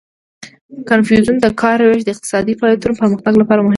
ګزنفون د کار ویش د اقتصادي فعالیتونو پرمختګ لپاره مهم ګڼلو